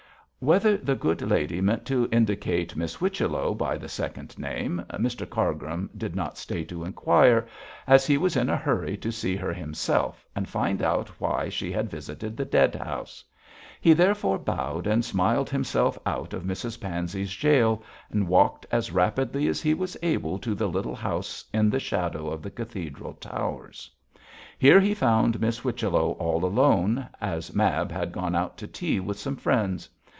Whether the good lady meant to indicate Miss Whichello by the second name, Mr Cargrim did not stay to inquire, as he was in a hurry to see her himself and find out why she had visited the dead house. He therefore bowed and smiled himself out of Mrs Pansey's gaol, and walked as rapidly as he was able to the little house in the shadow of the cathedral towers. Here he found Miss Whichello all alone, as Mab had gone out to tea with some friends.